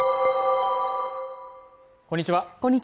こんにちは。